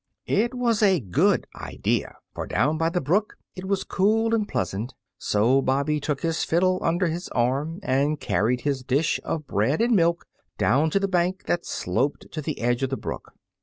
It was a good idea, for down by the brook it was cool and pleasant; so Bobby took his fiddle under his arm and carried his dish of bread and milk down to the bank that sloped to the edge of the brook.